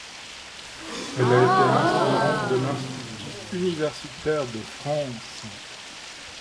Elle a été ainsi membre de l'Institut universitaire de France.